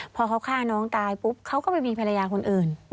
พอเขาฆ่าน้องตายปุ๊บเขาก็ไปมีภรรยาคนอื่น